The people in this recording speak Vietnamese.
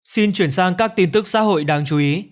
xin chuyển sang các tin tức xã hội đáng chú ý